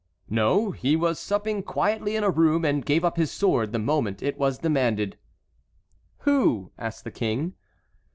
"No, he was supping quietly in a room, and gave up his sword the moment it was demanded." "Who?" asked the King.